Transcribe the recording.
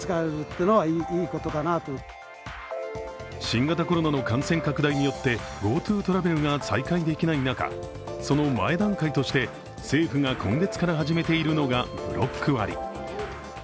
新型コロナの感染拡大によってＧｏＴｏトラベルが再開できない中、その前段階として、政府が今月から始めているのがブロック割。